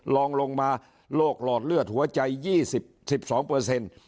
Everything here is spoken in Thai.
ลองลงมาโรคหลอดเลือดหัวใจ๒๐๑๒เปอร์เซ็นต์